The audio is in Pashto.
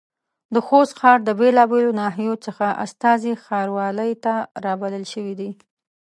د خوست ښار د بېلابېلو ناحيو څخه استازي ښاروالۍ ته رابلل شوي دي.